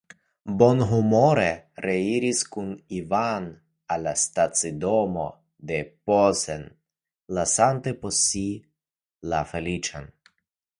Bonhumore reiris kun Ivan al la stacidomo de Posen, lasante post si la feliĉan.